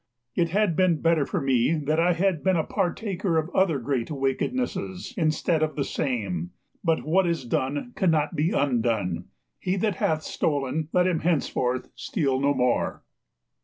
It had been better for me that I had been a partaker of other great wickednesses instead of the same; but what is done cannot be undone; he that hath stolen, let him henceforward steal no more.